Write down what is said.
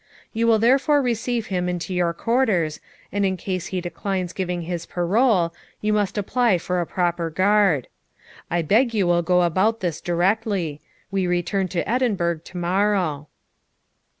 You will therefore receive him into your quarters, and in case he declines giving his parole, you must apply for a proper guard. I beg you will go about this directly. We return to Edinburgh tomorrow.'